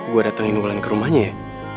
gue datengin ulang ke rumahnya ya